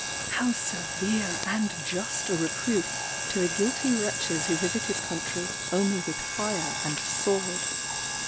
How severe and just a reproof to the guilty wretches who visit his country only with fire and sword!